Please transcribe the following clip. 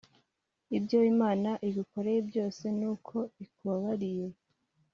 ibyo imana igukoreye byose n’uko ikubabariye